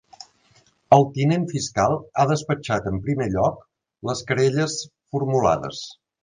El tinent fiscal ha despatxat en primer lloc les querelles formulades.